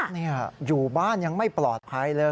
นี่อยู่บ้านยังไม่ปลอดภัยเลย